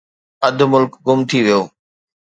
اڌ ملڪ گم ٿي ويو.